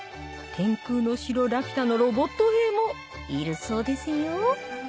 『天空の城ラピュタ』のロボット兵もいるそうですよ